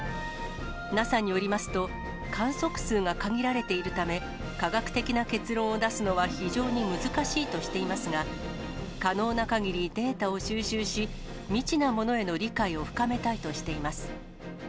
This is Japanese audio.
ＮＡＳＡによりますと、観測数が限られているため、科学的な結論を出すのは非常に難しいとしていますが、可能なかぎりデータを収集し、未知なものへの理解を深めたいとしています。